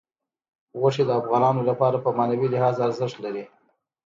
غوښې د افغانانو لپاره په معنوي لحاظ ارزښت لري.